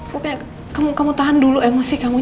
bukan kamu tahan dulu emosi kamu